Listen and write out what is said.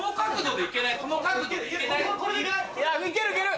いやいけるいける！